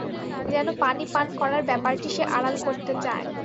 যেন পানি পান করার ব্যাপারটি সে আড়াল করতে চায়।